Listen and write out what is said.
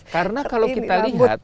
karena kalau kita lihat